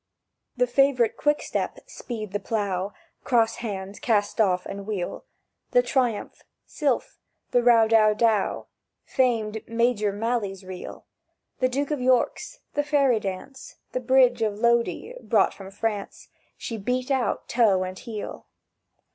The favourite Quick step "Speed the Plough"— (Cross hands, cast off, and wheel)— "The Triumph," "Sylph," "The Row dow dow," Famed "Major Malley's Reel," "The Duke of York's," "The Fairy Dance," "The Bridge of Lodi" (brought from France), She beat out, toe and heel.